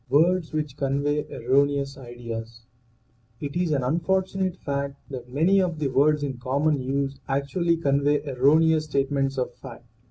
WORDS WHICH CONVEY ERRONEOUS IDEAS T is an unfortunate fact that many of the words in common use actually convey erroneous state ments of fact.